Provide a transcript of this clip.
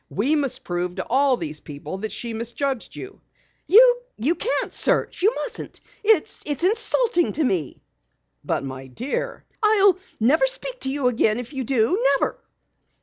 We must prove to all these people that she misjudged you." "You can't search you mustn't! It's insulting to me!" "But my dear " "I'll never speak to you again if you do! Never!"